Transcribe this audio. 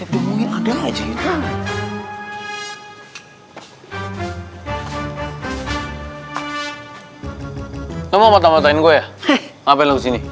kamu mau matahin gue ngapain lu sini